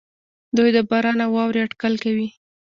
دوی د باران او واورې اټکل کوي.